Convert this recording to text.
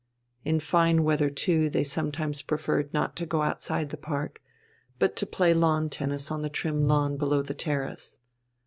In fine weather too they sometimes preferred not to go outside the park, but to play lawn tennis on the trim lawn below the terrace.